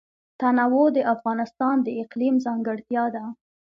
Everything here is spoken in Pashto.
تنوع د افغانستان د اقلیم ځانګړتیا ده.